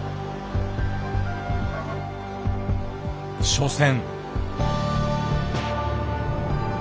初戦。